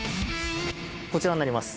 こちらになります。